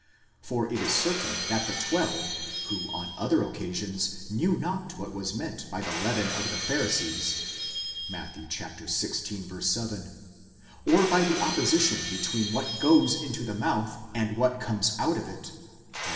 For it is certain that the twelve, who on other occasions knew not what was meant by the leaven of the Pharisees. (Matt. xvi. 7), or by the opposition between what goes into the mouth, and what comes out of it (Matt.